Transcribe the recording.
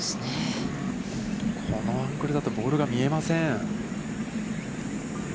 このアングルだとボールが見えません。